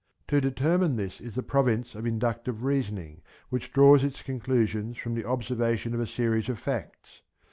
To determine this is the province of inductive reasoning which draws its conclusions from the observation of a series of facts.